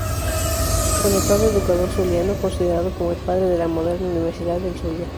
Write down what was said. Connotado educador zuliano, considerado como el padre de la moderna Universidad del Zulia.